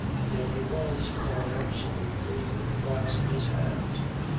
There he was, caught absolutely with the glass in his hand.